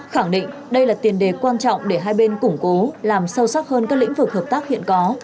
khẳng định đây là tiền đề quan trọng để hai bên củng cố làm sâu sắc hơn các lĩnh vực hợp tác hiện có